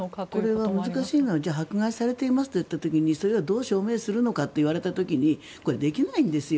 これは難しいのは迫害されていますといった時にそれはどう証明するのかと言われた時に、できないんですよ